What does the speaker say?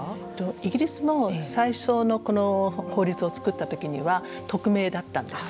イギリスも最初に作った時には匿名だったんです。